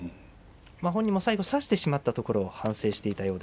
本人も最後差してしまったところを反省していました。